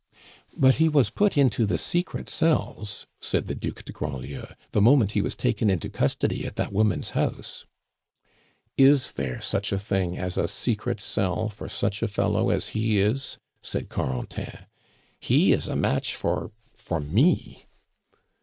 "But he was put into the secret cells," said the Duc de Grandlieu, "the moment he was taken into custody at that woman's house." "Is there such a thing as a secret cell for such a fellow as he is?" said Corentin. "He is a match for for me!"